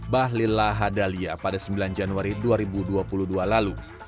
bahlil lahadalia pada sembilan januari dua ribu dua puluh dua lalu